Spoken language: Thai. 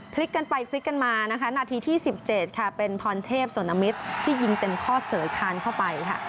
พลิกกันไปพลิกกันมานะคะนาทีที่๑๗ค่ะเป็นพรเทพสนมิตรที่ยิงเต็มข้อเสยคานเข้าไปค่ะ